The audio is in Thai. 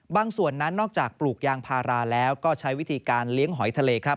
ส่วนนั้นนอกจากปลูกยางพาราแล้วก็ใช้วิธีการเลี้ยงหอยทะเลครับ